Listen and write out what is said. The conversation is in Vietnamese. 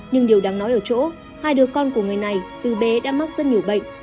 nhưng điều đáng nói ở chỗ hai đứa con của người này từ bé đã mắc rất nhiều bệnh